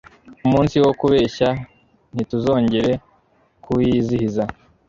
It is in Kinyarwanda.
Umunsi wo kubeshya ntituzonjyere kuwizihiza